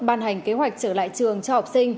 ban hành kế hoạch trở lại trường cho học sinh